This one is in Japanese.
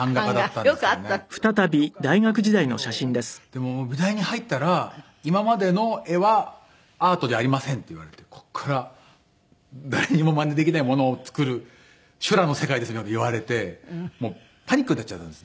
でも美大に入ったら「今までの絵はアートじゃありません」って言われて「ここから誰にもまねできないものを作る修羅の世界です」みたいな事言われてパニックになっちゃったんですね。